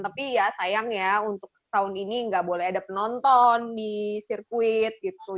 tapi ya sayang ya untuk tahun ini nggak boleh ada penonton di sirkuit gitu